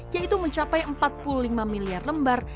yaitu mencapai empat puluh lima miliar lembar